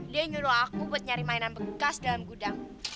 dia menyuruh aku untuk mencari mainan bekas di dalam gudang